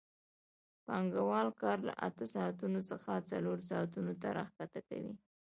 پانګوال کار له اته ساعتونو څخه څلور ساعتونو ته راښکته کوي